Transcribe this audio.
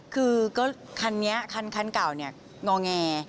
คือก็คันนี้คันเก่าเนี่ยงอแง